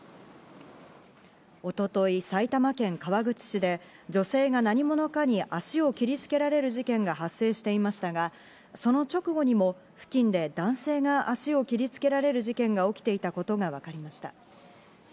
一昨日、埼玉県川口市で女性が何者かに足を切りつけられる事件が発生していましたが、その直後にも付近で男性が足を切りつけられる事件が起きていたことがわかりました。